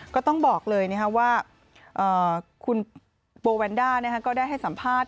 ก็ต้องบอกเลยว่าคุณโบแวนด้าก็ได้ให้สัมภาษณ